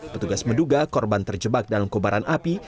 petugas menduga korban terjebak dalam kobaran api